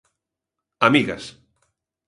Amigas.